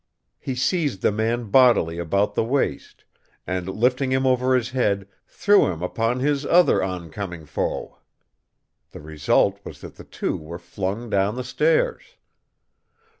He seized the man bodily about the waist and, lifting him over his head, threw him upon his other oncoming foe. The result was that the two were flung down the stairs.